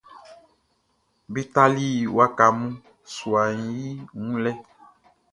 Be tali waka mun suaʼn i wun lɛ.